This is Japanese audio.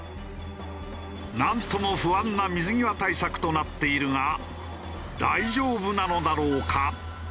なんとも不安な水際対策となっているが大丈夫なのだろうか？